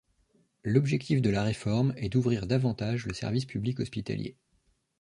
L'objectif de la réforme est d'ouvrir davantage le service public hospitalier.